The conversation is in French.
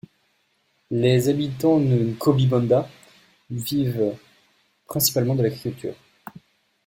Les habitants de Nkolbibanda vivent principalement de l'agriculture.